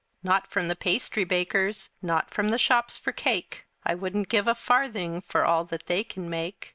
Not from the pastry bakers, Not from the shops for cake; I wouldn't give a farthing For all that they can make.